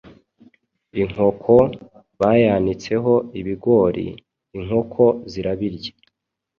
Inkoko bayanitseho ibigori, inkoko zirabirya.